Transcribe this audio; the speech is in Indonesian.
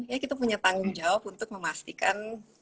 ya kita punya tanggung jawab untuk memastikan